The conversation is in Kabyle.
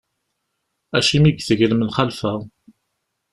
Acimi i iteg lemxalfa?